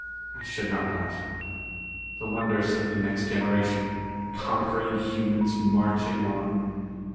"I should not laugh. The wonders of the next generation conquering humans marching on...."